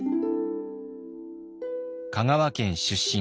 香川県出身。